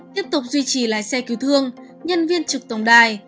tiếp tục duy trì lái xe cứu thương nhân viên trực tổng đài